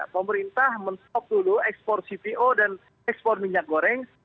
pemerintah men stop dulu ekspor cpo dan ekspor minyak goreng